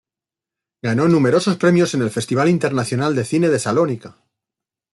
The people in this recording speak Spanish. Ganó numerosos premios en el Festival Internacional de Cine de Salónica.